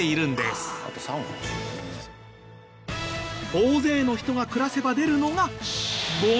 大勢の人が暮らせば出るのがゴミ。